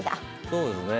そうですね。